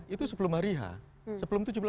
itu sebelum hari h sebelum